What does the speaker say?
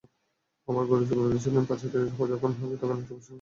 আমার গুরু বলেছিলেন, বাঁচতেই যখন হবে তখন একটি অবিস্মরণীয় বাঁচাই যেন বাঁচি।